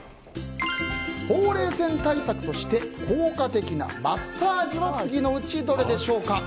ほうれい線対策として効果的なマッサージは次のうちどれでしょうか。